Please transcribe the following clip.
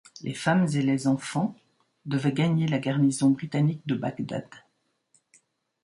Les femmes et les enfants devaient gagner la garnison britannique de Bagdad.